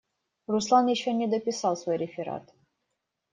Руслан еще не дописал свой реферат.